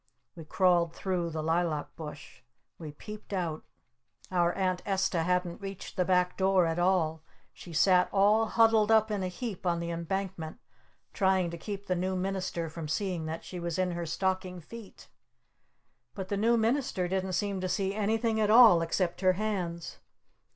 We crawled through the Lilac Bush. We peeped out. Our Aunt Esta hadn't reached the back door at all. She sat all huddled up in a little heap on the embankment trying to keep the New Minister from seeing that she was in her stocking feet. But the New Minister didn't seem to see anything at all except her hands.